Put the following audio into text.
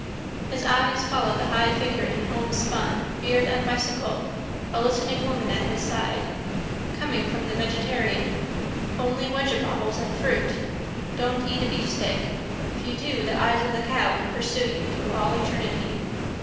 His eyes followed the high figure in homespun, beard and bicycle, a listening woman at his side. Coming from the vegetarian. Only weggebobbles and fruit. Don't eat a beefsteak. If you do the eyes of that cow will pursue you through all eternity.